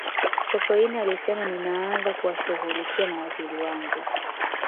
sokoine alisema ninaanza kuwashughulikia mawaziri wangu